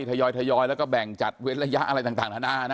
ทยอยแล้วก็แบ่งจัดเวลายะอะไรต่าง